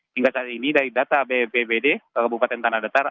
hingga saat ini dari data bpbd kabupaten tanah datar